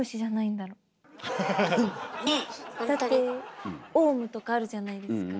だって王蟲とかあるじゃないですか。